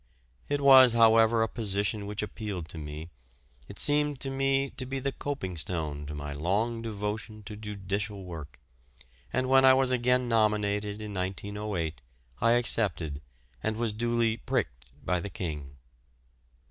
It was, however, a position which appealed to me it seemed to me to be the coping stone to my long devotion to judicial work and when I was again nominated in 1908, I accepted, and was duly "pricked" by the King.